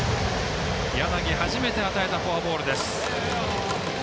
柳、初めて与えたフォアボールです。